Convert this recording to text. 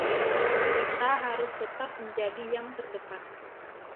Kita harus tetap menjadi yang terdepan.